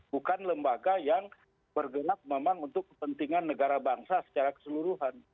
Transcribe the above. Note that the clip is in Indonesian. bukan lembaga yang bergerak memang untuk kepentingan negara bangsa secara keseluruhan